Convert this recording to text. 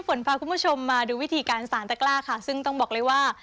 พาคุณผู้ชมมาดูวิธีการสารตะกล้าค่ะซึ่งต้องบอกเลยว่า